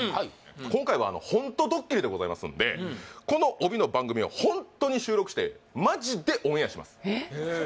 今回はホントドッキリでございますんでこの帯の番組はホントに収録してえっオンエア？